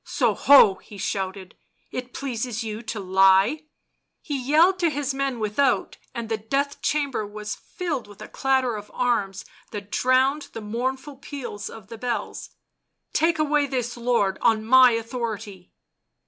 " So ho!" he shouted, "it pleases you to lie!" He yelled to his men without, and the death chamber was filled with a clatter of arms that drowned the mourn ful pealing of the bells. " Take away this lord, on my authority."